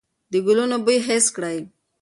د ګلونو بوی حس کړئ.